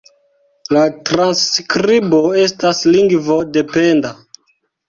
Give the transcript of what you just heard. La transskribo estas lingvo-dependa.